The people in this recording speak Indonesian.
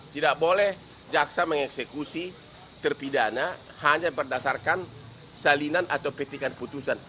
tidak boleh jaksa mengeksekusi terpidana hanya berdasarkan salinan atau petikan putusan